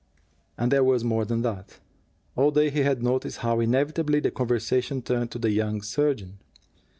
And there as more than that. All day he had noticed how inevitably the conversation turned to the young surgeon.